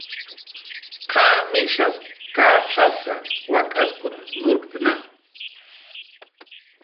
¿Qamishas kacxasa, wak'askun nurktnqa?